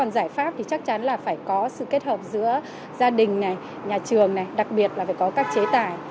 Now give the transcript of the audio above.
giải pháp thì chắc chắn là phải có sự kết hợp giữa gia đình này nhà trường này đặc biệt là phải có các chế tài